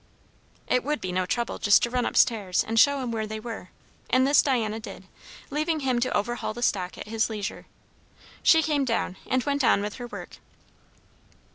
It would be no trouble just to run up stairs and show him where they were; and this Diana did, leaving him to overhaul the stock at his leisure. She came down and went on with her work.